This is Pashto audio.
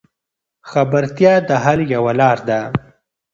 خبرتیا د حل یوه لار ده.